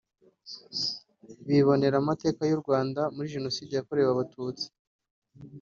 bibonera amateka y’u Rwanda muri Jenoside yakorewe Abatutsi